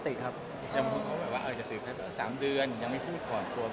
อย่างประคบประงงหมแบบว่าจะถือเคล็ด๓เดือนยังไม่พูดก่อนตัว